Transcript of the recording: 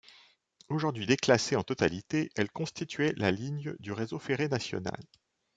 Aujourd'hui déclassée en totalité, elle constituait la ligne du réseau ferré national.